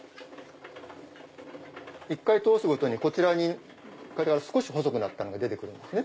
１回通すごとにこちらに少し細くなったのが出るんです。